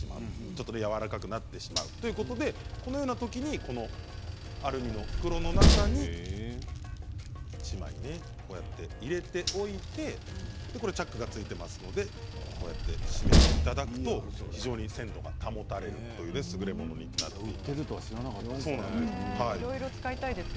ちょっと柔らかくなってしまうということでこのようなときにアルミの袋の中に１枚こうやって入れておいてチャックが付いておりますので閉めていただくと非常に鮮度が保たれるすぐれものになっています。